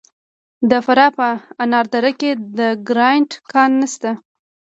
د فراه په انار دره کې د ګرانیټ کان شته.